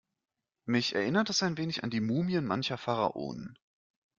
Mich erinnert es ein wenig an die Mumien mancher Pharaonen.